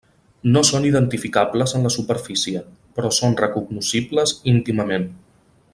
No són identificables en la superfície, però són recognoscibles íntimament.